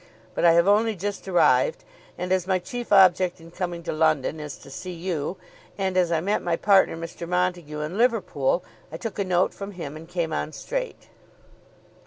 But I have only just arrived, and as my chief object in coming to London is to see you, and as I met my partner, Mr. Montague, in Liverpool, I took a note from him and came on straight."